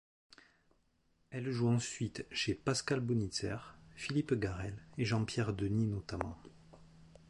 Elle joue ensuite chez Pascal Bonitzer, Philippe Garrel et Jean-Pierre Denis notamment.